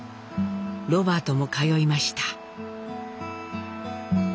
ロバートも通いました。